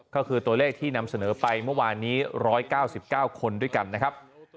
ก็คือตัวเลขที่นำเสนอไปเมื่อวานนี้๑๙๙คนด้วยกันนะครับ